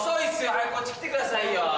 早くこっち来てくださいよ。